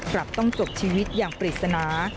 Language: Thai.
กลับต้องจบชีวิตอย่างปริศนา